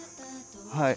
はい。